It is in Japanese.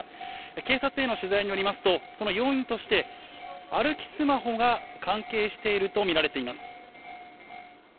警察への取材によりますと、その要因として、歩きスマホが関係していると見られています。